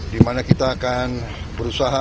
di mana kita akan berusaha